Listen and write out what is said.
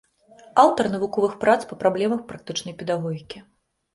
Аўтар навуковых прац па праблемах практычнай педагогікі.